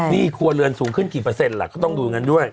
นี่คัวเรือนสูงขึ้นกี่เปอร์เซ็นต์หรอเขาต้องดูอย่างนั้นด้วย